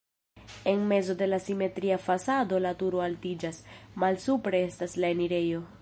En mezo de la simetria fasado la turo altiĝas, malsupre estas la enirejo.